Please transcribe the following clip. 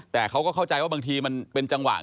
แต่เขาก็เข้าใจว่าบางทีมันเป็นจังหวะ